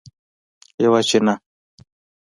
یوه چینه